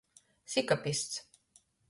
Sikapists.